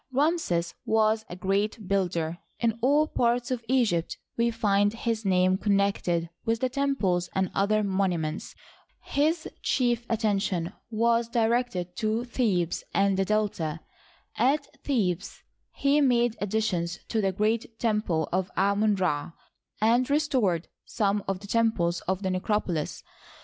Ramses was a great builder. In all parts of Egypt we find his name connected with the temples and other monuments. His chief attention was directed to Thebes and the Delta. At Thebes he made additions to the great temple of Amon Ra, and restored some of the temples of the necropolis.